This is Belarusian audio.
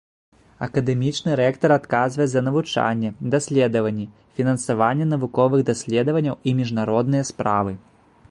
Акадэмічны рэктар адказвае за навучанне, даследаванні, фінансаванне навуковых даследаванняў і міжнародныя справы.